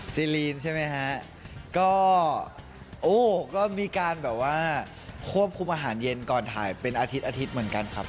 ซีรีนใช่ไหมฮะก็โอ้ก็มีการแบบว่าควบคุมอาหารเย็นก่อนถ่ายเป็นอาทิตยอาทิตย์เหมือนกันครับ